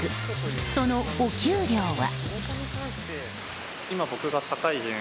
そのお給料は。